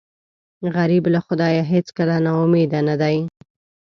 غریب له خدایه هېڅکله نا امیده نه دی